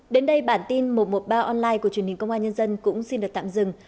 đến đây bản tin một trăm một mươi ba online của truyền hình công an nhân dân cũng xin được tạm dừng